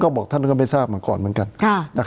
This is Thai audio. เราบอกท่านก็ไม่ทราบเหมือนก่อน